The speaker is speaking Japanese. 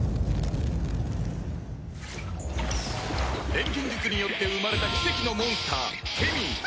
錬金術によって生まれた奇跡のモンスターケミー